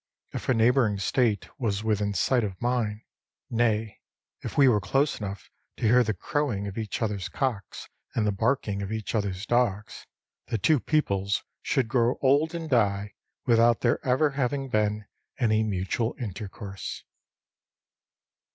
If a neighbouring State was within sight of mine — nay, if we were close enough to hear the crowing of each other's cocks and the barking of each other's dogs — the two peoples should grow old and die without there ever having been any mutual intercourse.